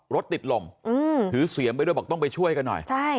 รถติดลมถือเสียงไปด้วยบอกต้องไปช่วยกันหน่อยใช่